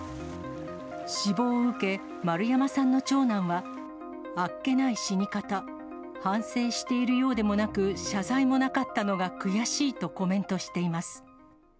死亡を受け、円山さんの長男は、あっけない死に方、反省しているようでもなく、謝罪もなかったのが悔しいとコメントしています。